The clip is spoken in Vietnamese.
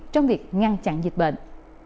trong việc ngăn chặn dịch bệnh